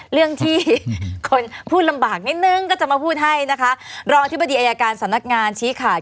เรื่องที่คนพูดลำบากนิดนึงก็จะมาพูดให้นะคะรองอธิบดีอายการสำนักงานชี้ขาด